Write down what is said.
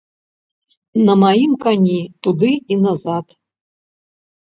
На маім кані, туды і назад.